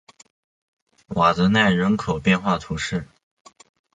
瓦德奈人口变化图示